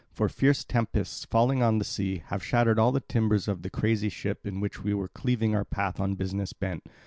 For fierce tempests, falling on the sea, have shattered all the timbers of the crazy ship in which we were cleaving our path on business bent.